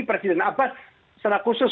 presiden abbas secara khusus